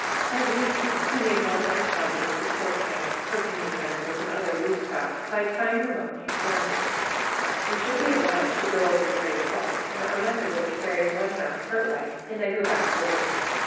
As usual he made one large bundle of the pork keg, cooking utensils, and other loose traps, by tying them up in his blanket. We should be obliged to go over the carry twice, and our method was to carry one half part way, and then go back for the rest.